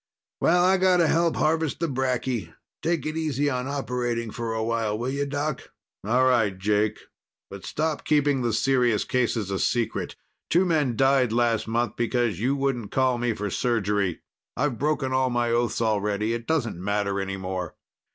Well, I gotta help harvest the bracky. Take it easy on operating for a while, will you, Doc?" "All right, Jake. But stop keeping the serious cases a secret. Two men died last month because you wouldn't call me for surgery. I've broken all my oaths already. It doesn't matter anymore."